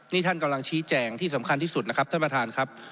นี่ท่านกำลังชี้แจงที่สำคัญที่สุดนะครับท่านประธานครับ